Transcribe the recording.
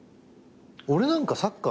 俺なんかサッカー。